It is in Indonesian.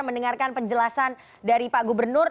mendengarkan penjelasan dari pak gubernur